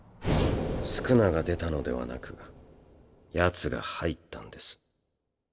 宿儺が出たのではなくヤツが入ったんです。